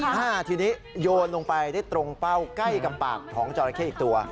อ่าทีนี้โยนลงไปได้ตรงเป้าใกล้กับปากของจอราเข้อีกตัว